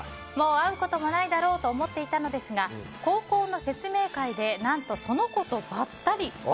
もう会うこともないだろうと思っていたのですが高校の説明会で何と、その子とばったり。